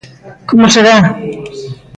Como será?